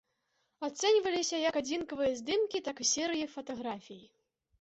Ацэньваліся як адзінкавыя здымкі, так і серыі фатаграфій.